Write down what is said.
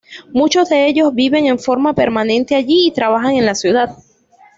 Muchos de ellos viven en forma permanente allí y trabajan en la ciudad.